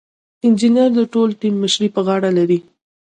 انجینر د ټول ټیم مشري په غاړه لري.